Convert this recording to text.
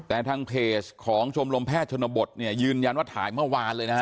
แต่ทางเพจของชมรมแพทย์ชนบทเนี่ยยืนยันว่าถ่ายเมื่อวานเลยนะฮะ